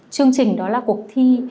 chương trình đó là cuộc thi